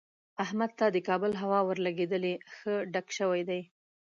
احمد ته د کابل هوا ښه ورلګېدلې، ښه ډک شوی دی.